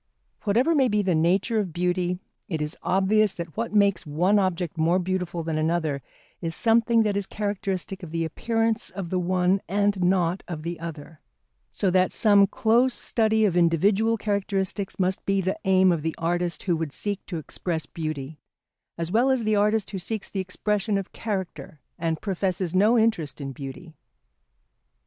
Whatever may be the nature of beauty, it is obvious that what makes one object more beautiful than another is something that is characteristic of the appearance of the one and not of the other: so that some close study of individual characteristics must be the aim of the artist who would seek to express beauty, as well as the artist who seeks the expression of character and professes no interest in beauty.